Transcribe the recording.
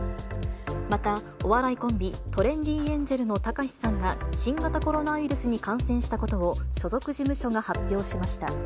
またお笑いコンビ、トレンディエンジェルのたかしさんが、新型コロナウイルスに感染したことを、所属事務所が発表しました。